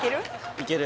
いける？